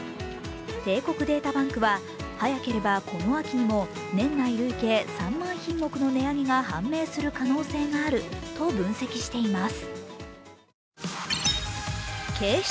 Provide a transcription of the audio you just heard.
帝国データバンクは早ければこの秋にも年内累計３万品目の値上げが判明する可能性があると分析しています。